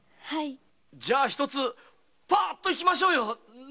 じゃ一つパッといきましょうよ！